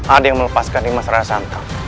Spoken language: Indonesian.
ada yang melepaskan nimasarara santang